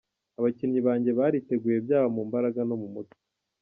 Abakinnyi banjye bariteguye byaba mu mbaraga no mu mutwe.